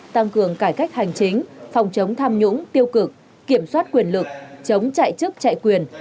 tăng cường cải cách hành chính phòng chống tham nhũng tiêu cực kiểm soát quyền lực chống chạy chức chạy quyền